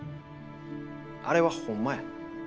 あれはホンマや。